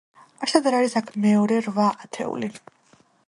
არსად არ არის აქ მეორე რვა ათეული.